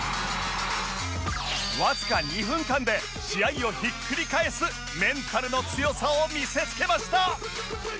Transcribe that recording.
わずか２分間で試合をひっくり返すメンタルの強さを見せつけました